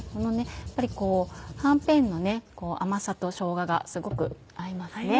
やっぱりはんぺんの甘さとしょうががすごく合いますね。